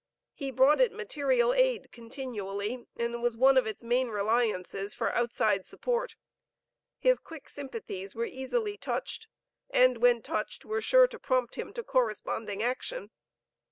He brought it material aid continually, and was one of its main reliances for outside support. His quick sympathies were easily touched and when touched were sure to prompt him to corresponding action.